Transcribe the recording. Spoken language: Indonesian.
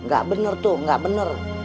gak bener tuh gak bener